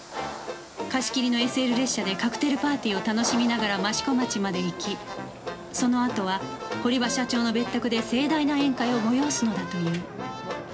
貸切の ＳＬ 列車でカクテルパーティーを楽しみながら益子町まで行きそのあとは堀場社長の別宅で盛大な宴会を催すのだという